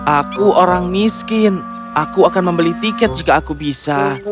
aku orang miskin aku akan membeli tiket jika aku bisa